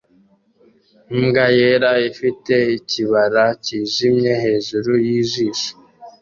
Imbwa yera ifite ikibara cyijimye hejuru yijisho